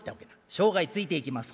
「生涯ついていきます」。